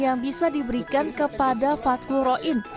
dan juga bisa diberikan kepada fadhu roin